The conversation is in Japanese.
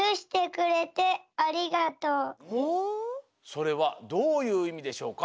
それはどういういみでしょうか？